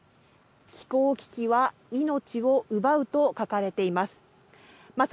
「気候の危機は命を奪う」と書かれています。